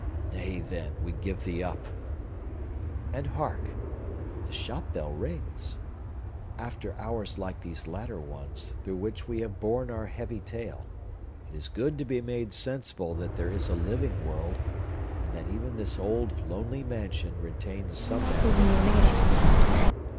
Nay, then, we give thee up! And hark! the shop bell rings. After hours like these latter ones, through which we have borne our heavy tale, it is good to be made sensible that there is a living world, and that even this old, lonely mansion retains some manner of connection with it.